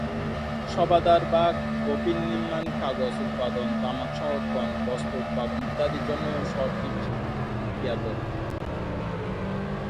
শবাধার বা কফিন নির্মাণ, কাগজ উৎপাদন, তামাক সংরক্ষণ, বস্ত্র উৎপাদন, ইত্যাদির জন্যও শহরটি বিশেষ খ্যাত।